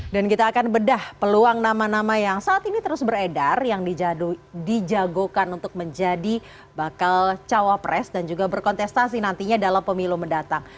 dan kita akan bedah peluang nama nama yang saat ini terus beredar yang dijagokan untuk menjadi bakal cawapres dan juga berkontestasi nantinya dalam pemilu mendatang